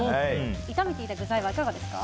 炒めていた具材はいかがですか。